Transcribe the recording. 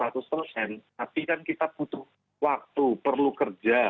tapi kan kita butuh waktu perlu kerja